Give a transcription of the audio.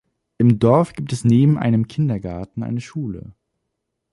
Im Dorf gibt es neben einem Kindergarten eine Schule.